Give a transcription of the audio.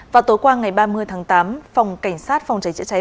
vào tối qua ngày ba mươi tháng tám phòng cảnh sát phòng cháy chữa cháy